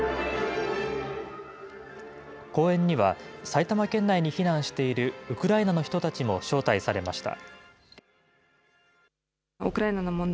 公演には、埼玉県内に避難しているウクライナの人たちも招待されました。